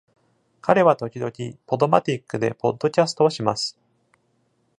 彼は時々ポドマティックでポッドキャストをします。